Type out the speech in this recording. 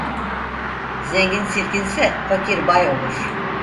Zengin silkinse fakir bay olur.